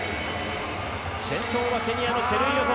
先頭はケニアのチェルイヨト。